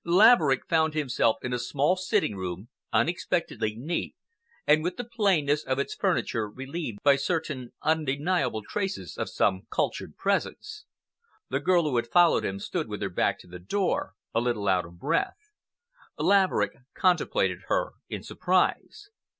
Laverick found himself in a small sitting room, unexpectedly neat, and with the plainness of its furniture relieved by certain undeniable traces of some cultured presence. The girl who had followed him stood with her back to the door, a little out of breath. Laverick contemplated her in surprise.